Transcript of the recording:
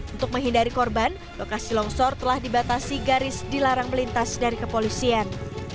untuk menghindari korban lokasi longsor telah dibatasi garis dilarang melintas dari kepolisian